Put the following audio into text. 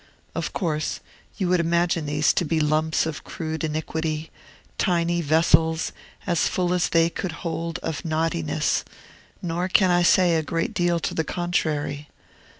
Of course you would imagine these to be lumps of crude iniquity, tiny vessels as full as they could hold of naughtiness; nor can I say a great deal to the contrary.